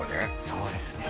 そうですね